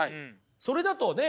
それだとね